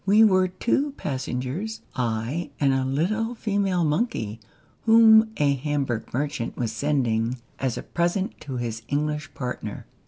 We were two passengers ; I and a little female monkey, whom a Hamburg merchant was sending as a present to his English partner.